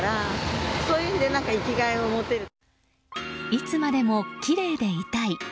いつまでも、きれいでいたい。